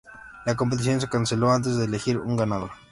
La competición se canceló antes de elegir un ganador.